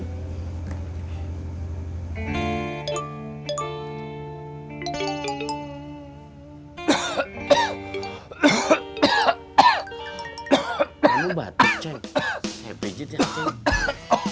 kamu batuk coy saya pijit ya coy